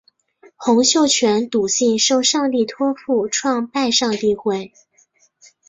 洪秀全笃信受上帝托负创拜上帝会。